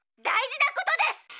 大事なことです！